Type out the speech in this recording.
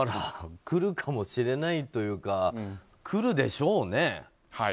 くるかもしれないというかくるでしょうね。